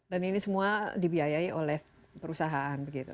dan ini semua dibiayai oleh perusahaan begitu